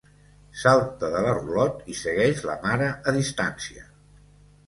Salta de la rulot i segueix la mare a distància.